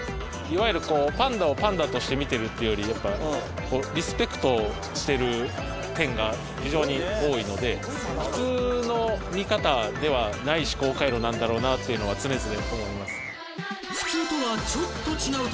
いわゆるこうパンダをパンダとして見てるっていうよりリスペクトしてる点が非常に多いので普通の見方ではない思考回路なんだろうなというのは常々思います。